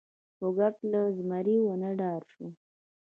موږک له زمري ونه ډار شو.